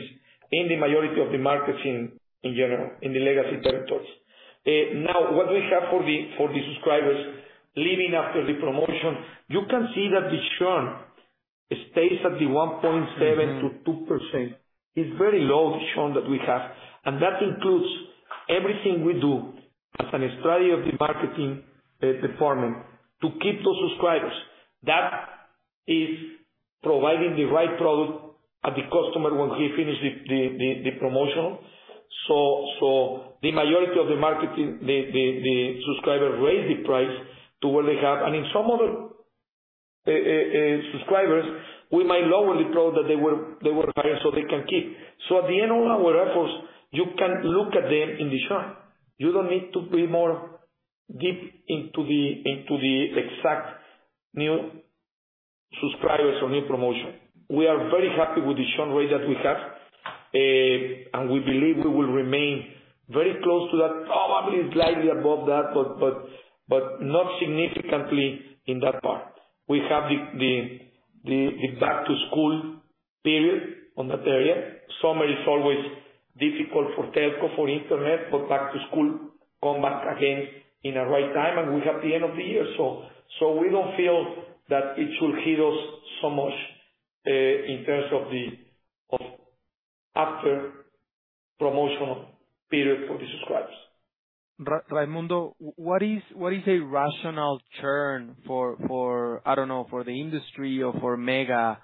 in the majority of the markets in, in general, in the legacy territories. Now, what we have for the subscribers leaving after the promotion, you can see that the churn stays at the 1.7%-2%. It's very low, the churn that we have, and that includes everything we do as a strategy of the marketing department to keep those subscribers. That is providing the right product at the customer when we finish the promotion. The majority of the marketing, the subscribers raise the price to what they have. In some other subscribers, we might lower the product that they were higher so they can keep. At the end of our efforts, you can look at them in the chart. You don't need to be more deep into the, into the exact new subscribers or new promotion. We are very happy with the churn rate that we have. We believe we will remain very close to that, probably slightly above that, but, but, but not significantly in that part. We have the, the, the, the back to school period on that area. Summer is always difficult for telco, for internet, but back to school come back again in the right time, and we have the end of the year. We don't feel that it will hit us so much in terms of the, of after promotional period for the subscribers. Raymundo, what is a rational churn for, for, I don't know, for the industry or for Megacable?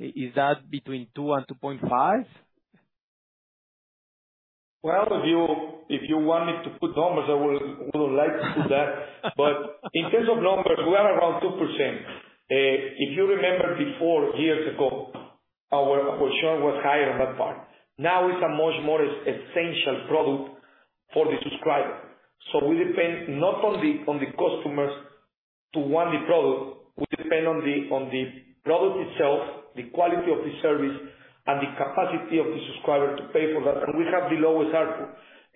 Is that between 2% and 2.5%? Well, if you, if you want me to put numbers, I would, would like to do that. In terms of numbers, we are around 2%. If you remember before, years ago, our, our churn was higher on that part. Now, it's a much more essential product for the subscriber. We depend not on the, on the customers to want the product, we depend on the, on the product itself, the quality of the service, and the capacity of the subscriber to pay for that. We have the lowest ARPU.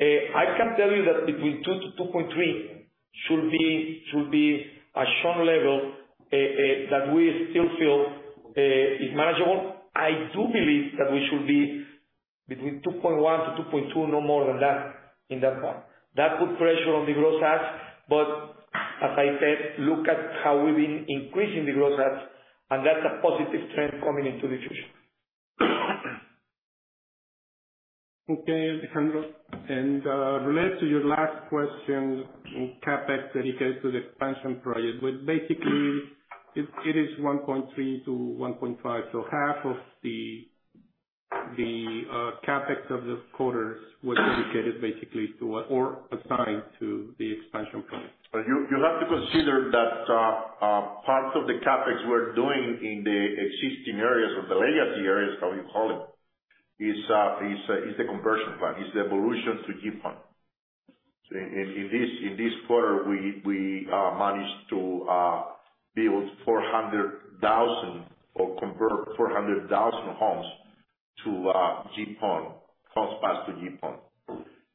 I can tell you that between 2%-2.3% should be, should be a churn level that we still feel is manageable. I do believe that we should be between 2.1%-2.2%, no more than that, in that part. That put pressure on the growth rates, but as I said, look at how we've been increasing the growth rates, and that's a positive trend coming into the future. Okay, Alejandro, related to your last question in CapEx dedicated to the expansion project, basically it is 1.3-1.5. Half of the CapEx of this quarter was dedicated basically to what or assigned to the expansion plan. You, you have to consider that parts of the CapEx we're doing in the existing areas or the legacy areas, how you call it, is, is, is the conversion plan, is the evolution to GPON. In, in this, in this quarter, we, we managed to build 400,000 or convert 400,000 homes to GPON, homes passed to GPON.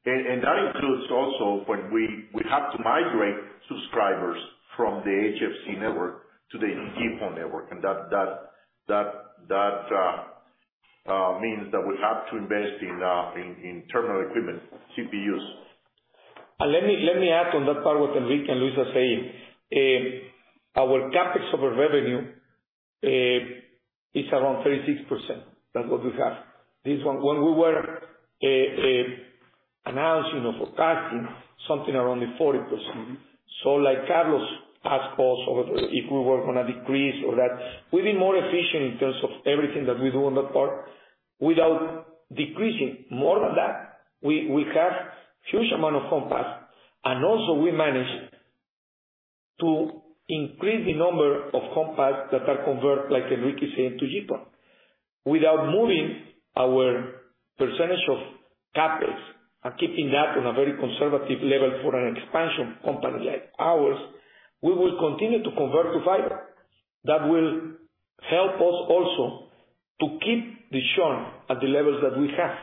And that includes also when we, we have to migrate subscribers from the HFC network to the GPON network. That, that, that, that means that we have to invest in, in, in terminal equipment, CPEs. Let me, let me add on that part what Enrique and Luis are saying. Our CapEx over revenue, is around 36%. That's what we have. This one, when we were, announcing or forecasting, something around the 40%. Mm-hmm. Like Carlos asked us over, if we were gonna decrease or that, we've been more efficient in terms of everything that we do on that part without decreasing. More than that, we, we have huge amount of homes passed, and also we managed to increase the number of homes passed that are converted, like Enrique is saying, to GPON. Without moving our percentage of CapEx and keeping that on a very conservative level for an expansion company like ours, we will continue to convert to fiber. That will help us also to keep the churn at the levels that we have.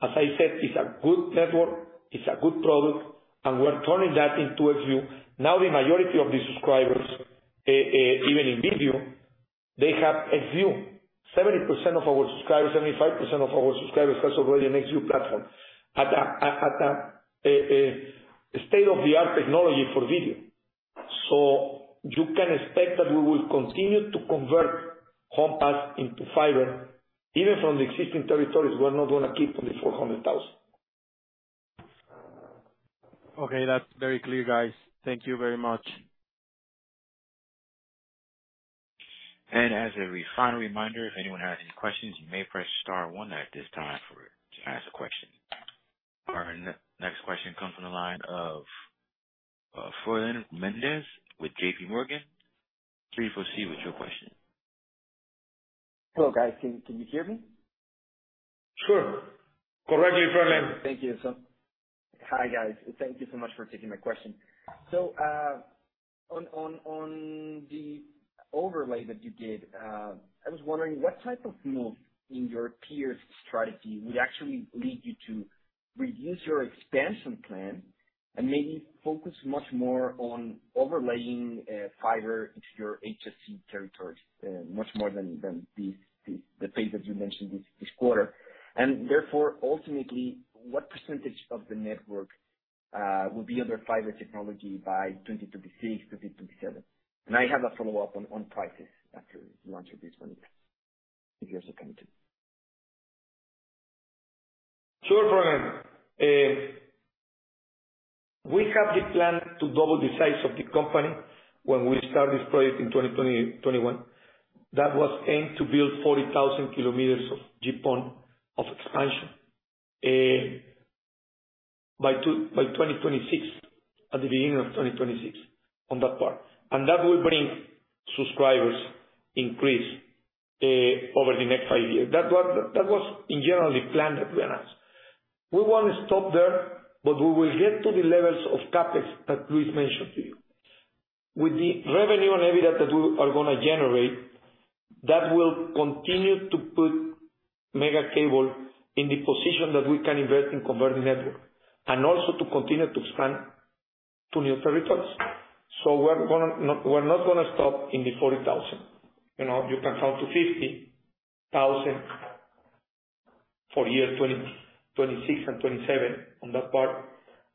As I said, it's a good network, it's a good product, and we're turning that into Xview. Now, the majority of the subscribers, even in video, they have Xview. 70% of our subscribers, 75% of our subscribers, has already an Xview platform at a state-of-the-art technology for video. You can expect that we will continue to convert homes passed into fiber, even from the existing territories. We're not gonna keep on the 400,000. Okay, that's very clear, guys. Thank you very much. As a final reminder, if anyone has any questions, you may press star one at this time to ask a question. Our next question comes from the line of Froylan Mendez with JPMorgan. Please proceed with your question. Hello, guys. Can, can you hear me? Sure. Go ahead, Froylan. Thank you. Hi, guys. Thank you so much for taking my question. On the overlay that you did, I was wondering what type of move in your peers' strategy would actually lead you to reuse your expansion plan and maybe focus much more on overlaying fiber into your HFC territories, much more than the phase that you mentioned this quarter? Therefore, ultimately, what percentage of the network will be under fiber technology by 2026, 2027? I have a follow-up on prices after you answer this one, if you're so kind to. Sure, Froylan. We have the plan to double the size of the company when we start this project in 2020, 2021. That was aimed to build 40,000 km of GPON of expansion by 2026, at the beginning of 2026, on that part. That will bring subscribers increase over the next five years. That was, that was in generally planned with us. We won't stop there, but we will get to the levels of CapEx that Luis mentioned to you. With the revenue and EBITDA that we are gonna generate, that will continue to put Megacable in the position that we can invest in converting network and also to continue to expand to new territories. We're not gonna stop in the 40,000. You know, you can count to 50,000 for year 2026 and 2027 on that part.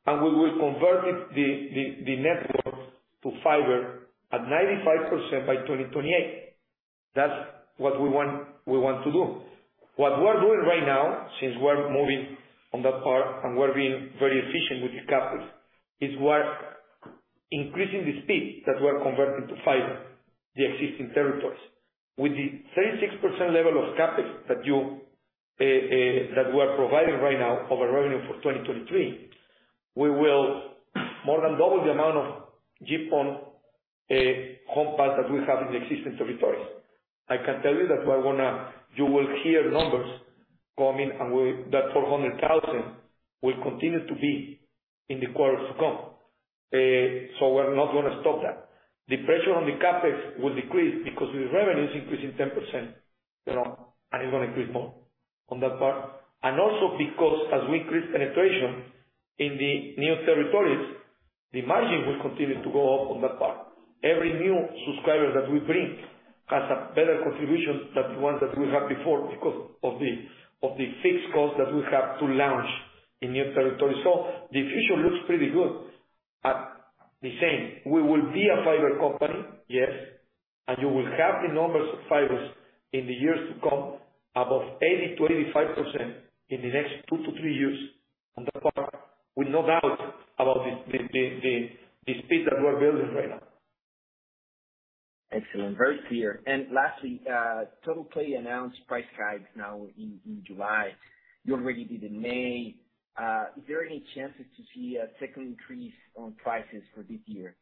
We will convert it, the, the, the network to fiber at 95% by 2028. That's what we want, we want to do. What we're doing right now, since we're moving on that part and we're being very efficient with the CapEx, is we're increasing the speed that we're converting to fiber, the existing territories. With the 36% level of CapEx that you, that we're providing right now over revenue for 2023, we will more than double the amount of GPON homes passed that we have in the existing territories. I can tell you that we're gonna you will hear numbers coming and we, that 400,000 will continue to be in the quarters to come. We're not gonna stop that. The pressure on the CapEx will decrease because the revenue is increasing 10%, you know, and it's gonna increase more on that part. Also because as we increase penetration in the new territories, the margin will continue to go up on that part. Every new subscriber that we bring has a better contribution than the ones that we had before because of the fixed costs that we have to launch in new territories. The future looks pretty good. At the same, we will be a fiber company, yes, you will have the numbers of fibers in the years to come above 80%-85% in the next two to three years, on that part, with no doubt about the speed that we're building right now. Excellent. Very clear. Lastly, Totalplay announced price hikes now in, in July. You already did in May. Is there any chances to see a second increase on prices for this year?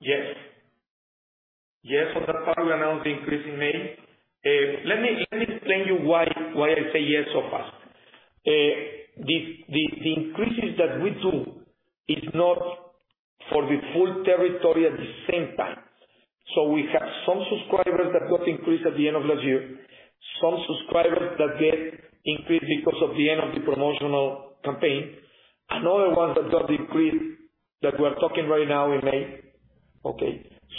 Yes. Yes, on that part, we announced the increase in May. Let me, let me explain to you why, why I say yes so fast. The, the, the increases that we do is not for the full territory at the same time. We have some subscribers that got increased at the end of last year, some subscribers that get increased because of the end of the promotional campaign, another one that got increased that we're talking right now in May.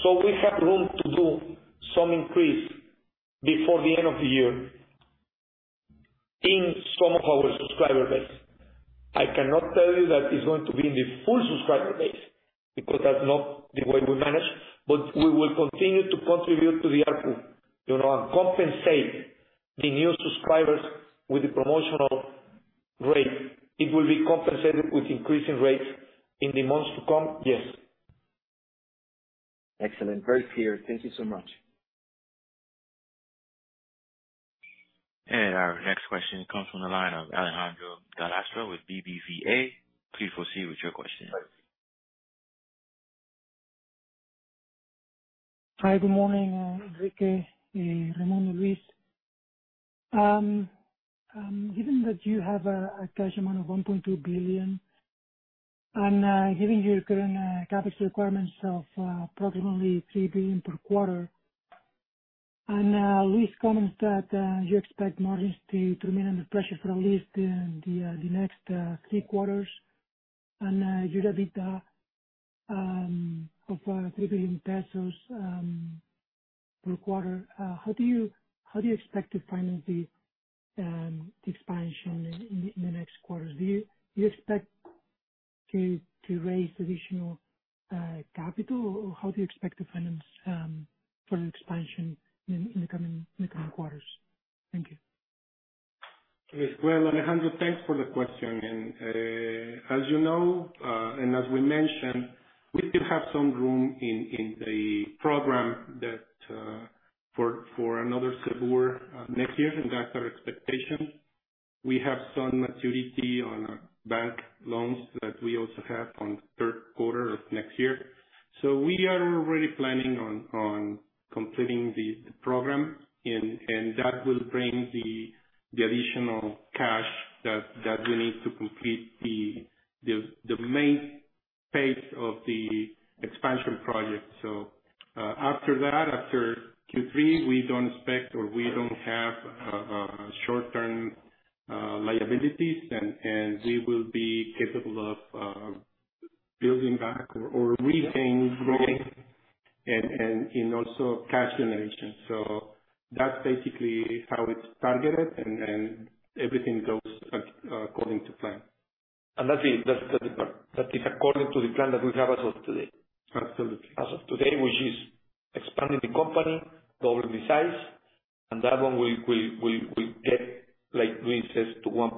We have room to do some increase before the end of the year in some of our subscriber base. I cannot tell you that it's going to be in the full subscriber base, because that's not the way we manage, but we will continue to contribute to the ARPU, you know, and compensate the new subscribers with the promotional rate. It will be compensated with increasing rates in the months to come, yes. Excellent. Very clear. Thank you so much. Our next question comes from the line of Alejandro Gallostra with BBVA. Please proceed with your question. Hi, good morning, Enrique, Raymundo, and Luis. Given that you have a cash amount of 1.2 billion, and given your current CapEx requirements of approximately 3 billion per quarter, and Luis comments that you expect margins to remain under pressure for at least the next three quarters, and EBITDA of 3 billion pesos per quarter, how do you expect to finance the expansion in the next quarters? Do you expect to raise additional capital, or how do you expect to finance for the expansion in the coming quarters? Thank you. Yes. Well, Alejandro, thanks for the question. As you know, and as we mentioned, we still have some room in, in the program that for for another quarter next year, and that's our expectation. We have some maturity on our bank loans that we also have on the third quarter of next year. We are already planning on, on completing the program, and that will bring the additional cash that we need to complete the main phase of the expansion project. After that, after Q3, we don't expect or we don't have short-term liabilities, and we will be capable of building back or maintaining growth and also cash generation. That's basically how it's targeted, and then everything goes according to plan. That's it. That's it. That is according to the plan that we have as of today. Absolutely. As of today, which is expanding the company, doubling the size, and that one, we get, like Luis says, to 1.6.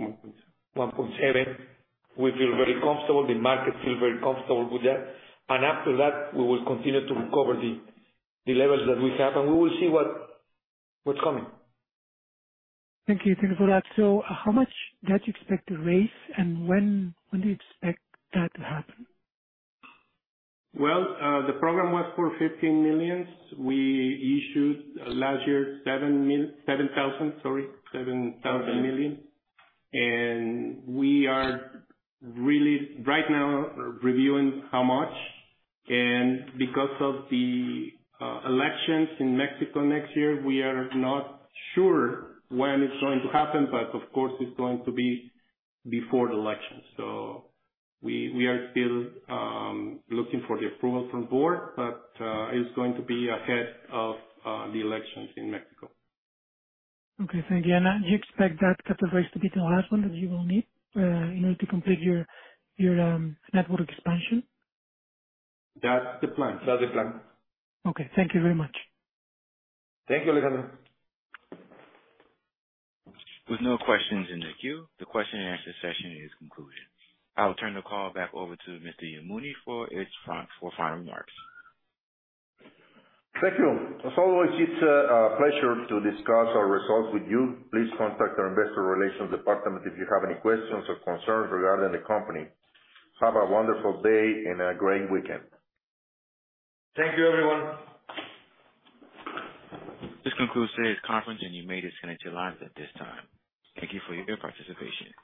Mm-hmm. 1.7. We feel very comfortable. The market feels very comfortable with that. After that, we will continue to recover the, the levels that we have. We will see what, what's coming. Thank you. Thank you for that. How much debt do you expect to raise, and when, when do you expect that to happen? Well, the program was for 15 million. We issued last year, 7,000, sorry, 7 million. We are really right now reviewing how much, and because of the elections in Mexico next year, we are not sure when it's going to happen, but of course, it's going to be before the elections. We, we are still looking for the approval from board, but it's going to be ahead of the elections in Mexico. Okay, thank you. Do you expect that capital raise to be the last one that you will need in order to complete your, your network expansion? That's the plan. That's the plan. Okay, thank you very much. Thank you, Alejandro. With no questions in the queue, the question and answer session is concluded. I will turn the call back over to Mr. Yamuni for its final, for final remarks. Thank you. As always, it's a pleasure to discuss our results with you. Please contact our investor relations department if you have any questions or concerns regarding the company. Have a wonderful day and a great weekend. Thank you, everyone. This concludes today's conference, and you may disconnect your lines at this time. Thank you for your participation.